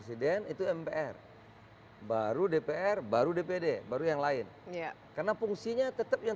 presiden itu mpr baru dpr baru dpd baru yang lain ya karena fungsinya tetap yang